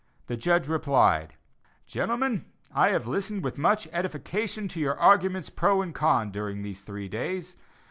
The judge replied: "Gentlemen, I have listened with much edification to your arguments pro and con during three days.